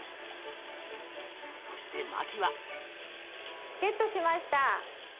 そしてマキは。ゲットしました！